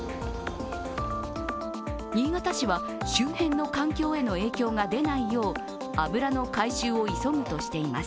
新潟市は周辺の環境への影響が出ないよう油の回収を急ぐとしています。